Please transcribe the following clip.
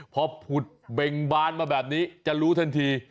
พอผุดเบ่งบานมาแบบนี้จะรู้ทันที